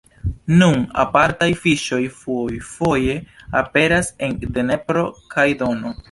Nun apartaj fiŝoj fojfoje aperas en Dnepro kaj Dono.